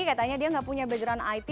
katanya dia nggak punya background it